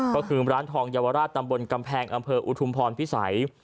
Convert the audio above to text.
ก็คือร้านทองเยาวราชตำบลกำแพงอำเภออุทุมพรพิสัย